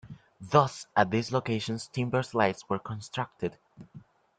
Thus at these locations timber slides were constructed.